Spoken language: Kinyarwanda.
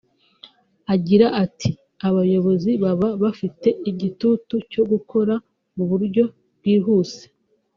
Agira ati "Abayobozi baba bafite igitutu cyo gukora mu buryo bwihuse